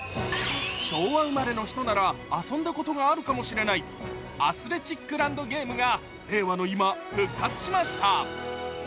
昭和生まれの人なら遊んだことがあるかもしれないアスレチックランドゲームが令和の今、復活しました。